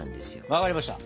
分かりました。